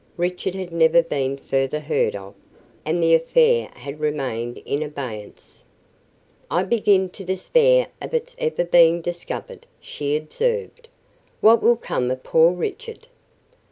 Richard had never been further heard of, and the affair had remained in abeyance. "I begin to despair of its ever being discovered," she observed. "What will become of poor Richard?"